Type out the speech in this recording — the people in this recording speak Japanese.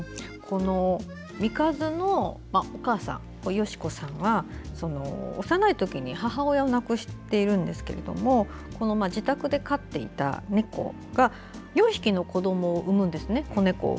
ミカズのお母さん芳子さんは幼い時に母親を亡くしているんですけれどもこの自宅で飼っていた猫が４匹の子どもを産むんですね。